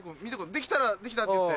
できたら「できた」って言って。